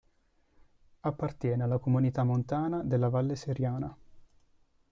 Appartiene alla Comunità montana della Valle Seriana.